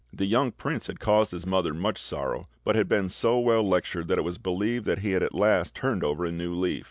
The young prince had caused his mother much sorrow, but had been so well lectured that it was believed that he had at last turned over a new leaf."